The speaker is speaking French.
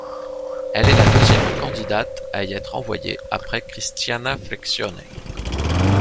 Elle est la deuxième candidate à y être envoyée après Cristiana Frixione.